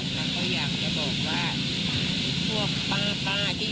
ดีใจแบบว่าให้ร้านออกมาปลอดภัยก็คือแบบให้รักษาตัวให้ดีอะไรอย่างนี้